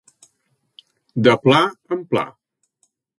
De pla en pla.